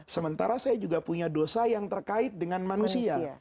sementara saya juga punya dosa yang terkait dengan manusia